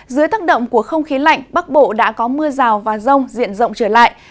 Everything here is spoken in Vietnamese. dưới tác động của không khí lạnh bắc bộ đã có mưa rào và rông diện rộng trở lại